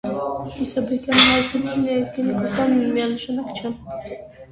Իսաբեկյանի «հայացքը» կին էակի նկատմամբ միանշանակ չէ։